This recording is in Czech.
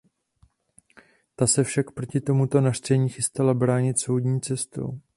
Ta se však proti tomuto nařčení chystala bránit soudní cestou.